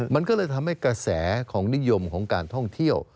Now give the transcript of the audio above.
มันก็เลยทำให้กระแสของนิยมของการท่องเที่ยว